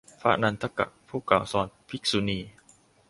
พระนันทกะ ผู้กล่าวสอนภิกษุณี